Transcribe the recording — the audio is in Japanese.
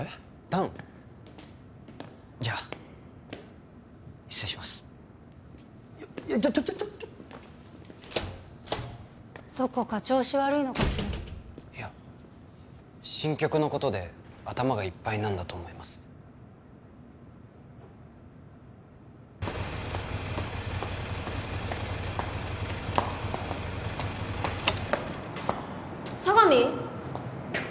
弾？じゃあ失礼しますいやちょっちょっどこか調子悪いのかしらいや新曲のことで頭がいっぱいなんだと思います佐神？